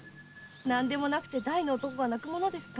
何でもなくて大の男が泣くものですか。